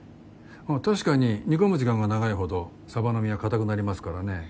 確かに煮込む時間が長いほどサバの身はかたくなりますからね。